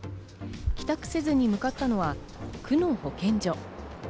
帰宅せずに向かったのは区の保健所。